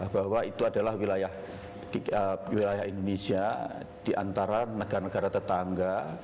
bahwa itu adalah wilayah indonesia di antara negara negara tetangga